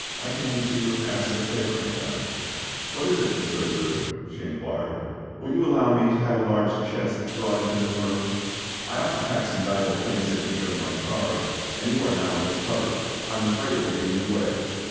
"I came to ask a favour, madame." "What is it, Monsieur Derues?" she inquired. "Will you allow me to have a large chest brought into this room? I ought to pack some valuable things in it which are in my charge, and are now in this cupboard. I am afraid it will be in your way."